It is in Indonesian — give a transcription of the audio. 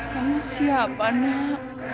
kamu siapa nak